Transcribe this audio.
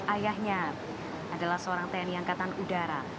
ayahnya adalah seorang tni angkatan udara